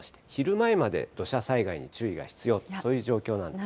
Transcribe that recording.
昼前まで土砂災害に注意が必要と、そういう状況なんですね。